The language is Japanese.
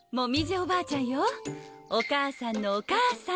おばあちゃん？